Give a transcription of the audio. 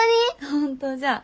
本当じゃ。